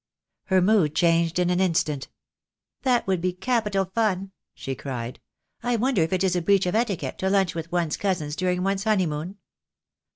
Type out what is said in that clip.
Her mood changed in an instant. "That would be capital fun," she cried. "I wonder if it is a breach of etiquette to lunch with one's cousins during one's honeymoon?"